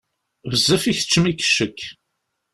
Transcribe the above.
Bezzaf ikeččem-ik ccekk.